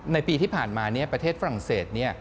ในปีที่ผ่านมาประเทศฝรั่งเศส